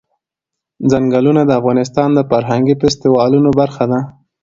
ځنګلونه د افغانستان د فرهنګي فستیوالونو برخه ده.